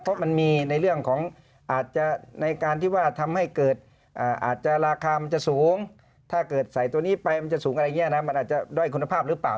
เพราะมันมีในเรื่องของอาจจะในการที่ว่าทำให้เกิดอาจจะราคามันจะสูงถ้าเกิดใส่ตัวนี้ไปมันจะสูงอะไรอย่างนี้นะมันอาจจะด้อยคุณภาพหรือเปล่า